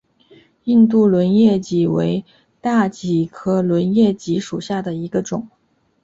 印度轮叶戟为大戟科轮叶戟属下的一个种。